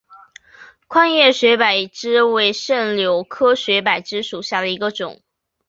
宽叶水柏枝为柽柳科水柏枝属下的一个种。